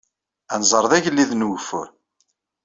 Anzar d agellid n ugeffur.